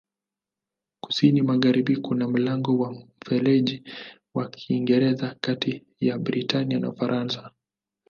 Kusini-magharibi kuna mlango wa Mfereji wa Kiingereza kati ya Britania na Ufaransa.